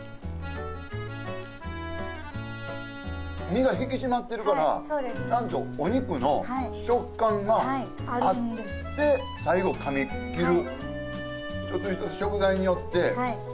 身が引き締まってるからちゃんとお肉の食感があって最後かみ切る。